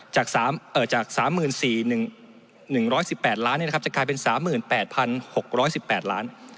จาก๓๔๑๑๘ลนี่จะกลายเป็น๓๘๖๑๘ล